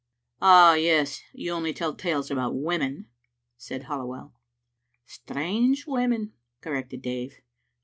"Ah, yes, yon only tell t&les about women," said Halliwell. "Strange women," corrected Dave.